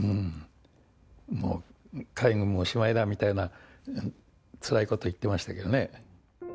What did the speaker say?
もう海軍もおしまいだ、みたいなつらいこと言ってましたけどね。